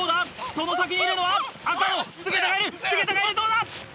その先にいるのは赤の菅田がいる菅田がいるどうだ？